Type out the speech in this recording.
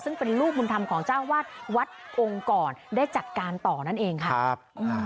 ซึ่งเป็นลูกบุญธรรมของเจ้าวาดวัดองค์ก่อนได้จัดการต่อนั่นเองค่ะครับ